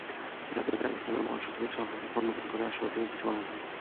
এতে জাতিসংঘের মহাসচিবের সফরের পর নতুন করে আশাবাদী হতে চাইছে বাংলাদেশ।